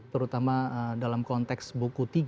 terutama dalam konteks buku tiga